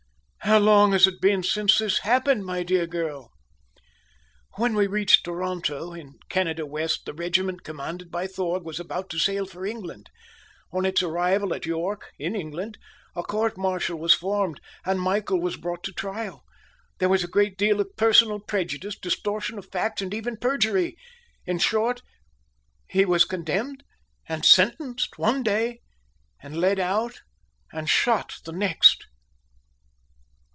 How long has it been since, this happened, my dear girl?" "When they reached Toronto, in Canada West, the regiment commanded by Thorg was about to sail for England. On its arrival at York, in England, a court martial was formed, and Michael was brought to trial. There was a great deal of personal prejudice, distortion of facts, and even perjury in short, he was condemned and sentenced one day and led out and shot the next!"